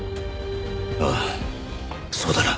ああそうだな。